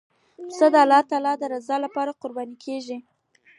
پسه د الله تعالی رضا لپاره قرباني کېږي.